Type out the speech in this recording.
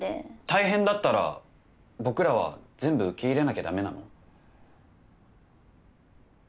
大変だったら僕らは全部受け入れなきゃ駄目なの？